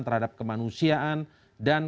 terhadap kemanusiaan dan